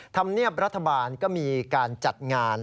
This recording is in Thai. ธรรมเนียบรัฐบาลก็มีการจัดงาน